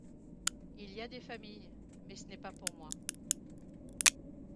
Il y a des familles, mais ce n’est pas pour moi.